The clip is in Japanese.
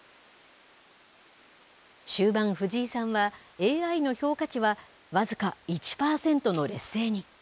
終盤、藤井さんはＡＩの評価値は僅か１パーセントの劣勢に。